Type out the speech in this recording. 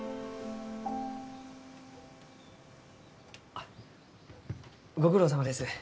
あっご苦労さまです。